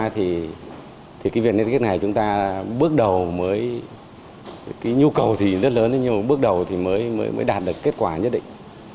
việc liên kết này chúng ta bước đầu mới đạt được kết quả nhất định